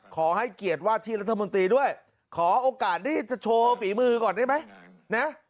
ขอให้เกียรติว่าที่รัฐมนตรีด้วยขอโอกาสได้จะโชว์ฝีมือก่อนได้ไหมนะ